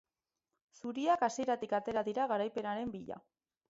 Zuriak hasieratik atera dira garaipenaren bila.